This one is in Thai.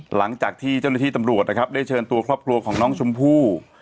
หลังจากที่เจ้าหน้าที่ตำรวจนะครับได้เชิญตัวครอบครัวของน้องชมพู่